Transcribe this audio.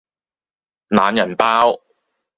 懶人包